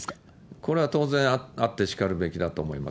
これは当然あってしかるべきだと思います。